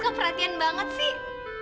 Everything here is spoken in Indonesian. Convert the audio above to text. kau perhatian banget sih